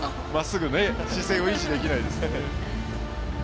姿勢を維持できないんですね。